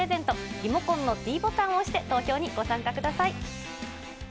リモコンのｄボタンを押して、投票にご参加ください。